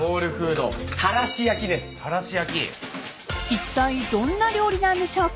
［いったいどんな料理なんでしょうか］